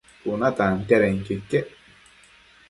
Cuna tantiadenquio iquec